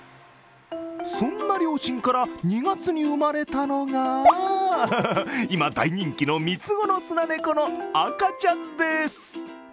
そんな両親から２月に生まれたのが今、大人気の３つ子のスナネコの赤ちゃんです。